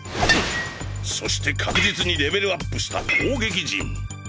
そして確実にレベルアップした攻撃陣。